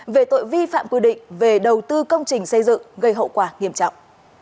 về tội vi phạm quy định về đầu tư công trình xây dựng gây hậu quả nghiêm trọng